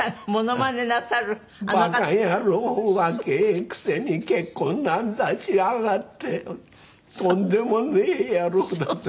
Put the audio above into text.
「馬鹿野郎若えくせに結婚なんざしやがってとんでもねえ野郎だ」って。